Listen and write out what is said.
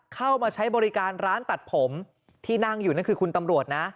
เข้ามาใช้บริการร้านตัดผมที่นั่งอยู่นั่นคือคุณตำรวจนะ